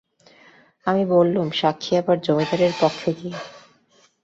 আমি বললুম, সাক্ষী আবার জমিদারের পক্ষে কী?